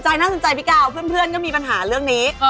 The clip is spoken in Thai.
น่าสนใจพี่กาวเพื่อนก็มีปัญหาเรื่องนี้